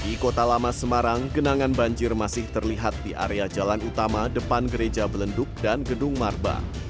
di kota lama semarang genangan banjir masih terlihat di area jalan utama depan gereja belenduk dan gedung marba